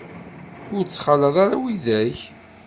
Ur ttxalaḍ ara widak.